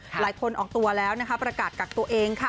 หลายคนออกตัวแล้วประกาศกักตัวเองค่ะ